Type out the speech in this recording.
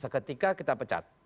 seketika kita pecat oke